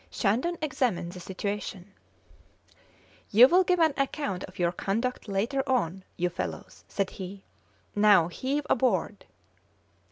Shandon examined the situation. "You will give an account of your conduct later on, you fellows," said he. "Now heave aboard!"